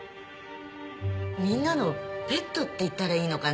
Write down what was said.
みんなのペットって言ったらいいのかな。